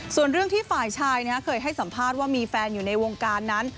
ส่วนเรื่องที่ฝ่ายชายเคยให้สัมภาษณ์ว่ามีแฟนอยู่ในวงการนั้น